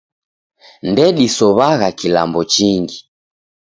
Ndedisow'agha kilambo chingi.